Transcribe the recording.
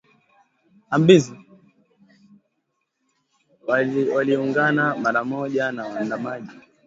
waliungana mara moja na waandamanaji